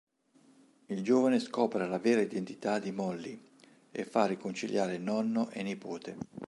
Il giovane scopre la vera identità di Mollie e fa riconciliare nonno e nipote.